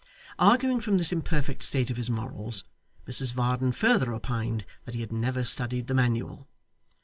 Arguing from this imperfect state of his morals, Mrs Varden further opined that he had never studied the Manual.